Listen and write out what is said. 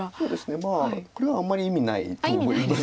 まあこれはあんまり意味ないと思います。